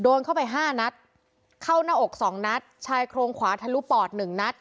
โดนเข้าไปห้านัดเข้าหน้าอกสองนัดชายโครงขวาทะลุปอดหนึ่งนัด